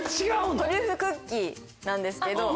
トリュフクッキーなんですけど。